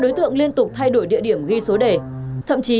cho nên em vòng lên